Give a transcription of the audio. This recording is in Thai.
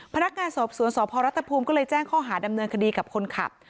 พนักงานสอบสวนสพรัฐภูมิก็เลยแจ้งข้อหาดำเนินคดีกับคนขับ